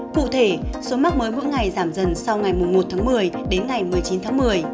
cụ thể số mắc mới mỗi ngày giảm dần sau ngày một tháng một mươi đến ngày một mươi chín tháng một mươi